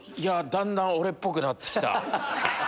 だんだん俺っぽくなって来た。